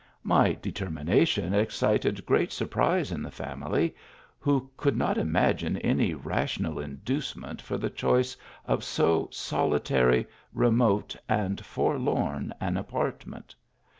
My determination excited great surprise in the family; who could not imagine any rational induce ment for the choice of so solitary, remote and for 63 THE ALHAMBRA. lorn an apartment.